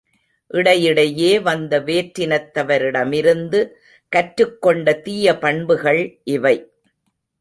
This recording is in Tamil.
இடையிடையே வந்த வேற்றினத்தவரிடமிருந்து கற்றுக் கொண்ட தீய பண்புகள் இவை.